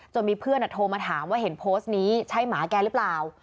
มีเพื่อนโทรมาถามว่าเห็นโพสต์นี้ใช่หมาแกหรือเปล่า